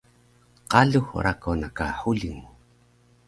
Qalux rako na ka huling mu